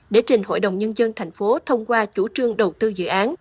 để trình hội đồng nhân dân tp hcm thông qua chủ trương đầu tư dự án